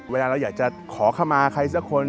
เวลาเราอยากจะขอเข้ามาใครสักคน